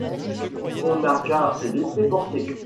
On n’a qu’à se laisser porter.